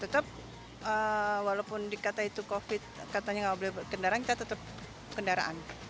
tetap walaupun dikata itu covid katanya nggak boleh berkendaraan kita tetap kendaraan